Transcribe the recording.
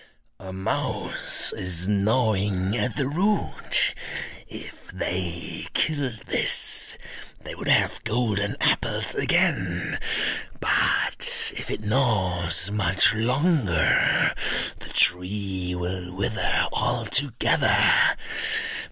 "A mouse is gnawing at the root; if they killed this they would have golden apples again, but if it gnaws much longer the tree will wither altogether.